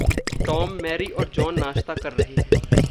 Tom, Mary और John नाश्ता कर रहे हैं।